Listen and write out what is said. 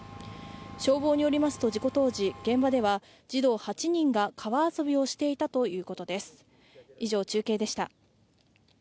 消防によりますと、事故当時、現場では児童８人が川遊びをしていたということです。